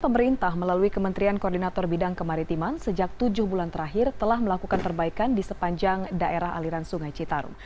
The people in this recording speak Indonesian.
pemerintah melalui kementerian koordinator bidang kemaritiman sejak tujuh bulan terakhir telah melakukan perbaikan di sepanjang daerah aliran sungai citarum